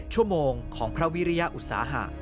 ชั่วโมงของพระวิริยอุตสาหะ